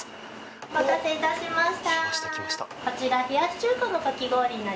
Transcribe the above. お待たせいたしました。